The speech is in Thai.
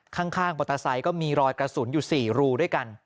ข้างมอเตอร์ไซค์ก็มีรอยกระสุนอยู่๔รูด้วยกัน